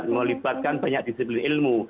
melibatkan banyak disiplin ilmu